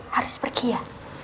harus pergi ya